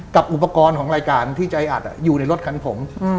กับอุปกรณ์ของรายการที่ใจอัดอยู่ในรถคันผม